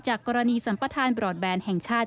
กรณีสัมปทานบรอดแบนแห่งชาติ